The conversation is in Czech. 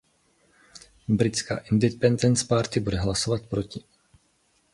Britská Independence Party bude hlasovat proti.